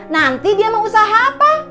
nanti dia mau usaha apa